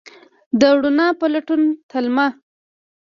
د روڼا په لټون تلمه